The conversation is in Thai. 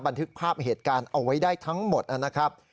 บันทึกภาพเหตุการณ์เอาไว้ได้ทั้งหมดนะครับ